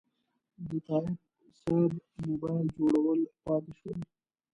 د تایب صیب موبایل جوړول پاتې شول.